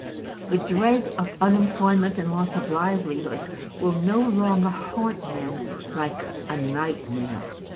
The dread of unemployment and loss of livelihood will no longer haunt men like a nightmare.